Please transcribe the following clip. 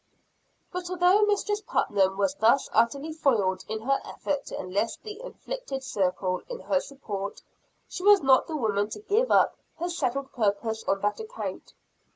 But although Mistress Putnam was thus utterly foiled in her effort to enlist the "afflicted circle" in her support, she was not the woman to give up her settled purpose on that account.